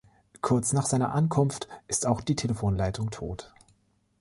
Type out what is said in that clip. Kurz nach seiner Ankunft ist auch die Telefonleitung tot.